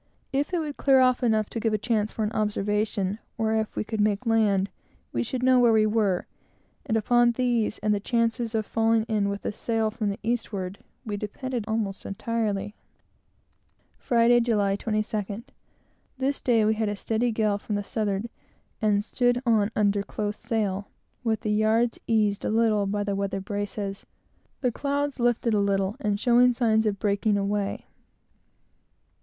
If it would clear off enough to give a chance for an observation, or if we could make land, we should know where we were; and upon these, and the chances of falling in with a sail from the eastward, we depended almost entirely. Friday, July 22d. This day we had a steady gale from the southward, and stood on under close sail, with the yards eased a little by the weather braces, the clouds lifting a little, and showing signs of breaking away.